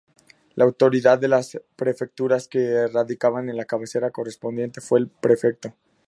La autoridad de las prefecturas, que radicaba en la cabecera correspondiente, fue el prefecto.